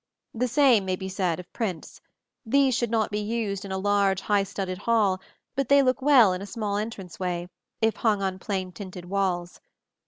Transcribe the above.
The same may be said of prints. These should not be used in a large high studded hall; but they look well in a small entranceway, if hung on plain tinted walls.